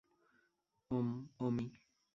ওম, - ওমি।